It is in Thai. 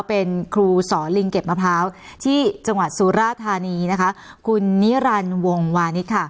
เป็นครูสอนลิงเก็บมะพร้าวที่จังหวัดสุราธานีนะคะคุณนิรันดิ์วงวานิสค่ะ